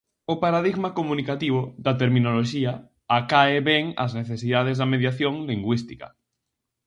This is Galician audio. O paradigma comunicativo da Terminoloxía acae ben ás necesidades da mediación lingüística.